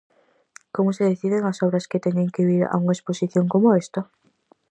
Como se deciden as obras que teñen que vir a unha exposición como esta?